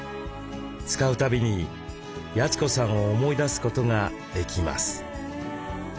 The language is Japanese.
使うたびに八千子さんを思い出すことができます。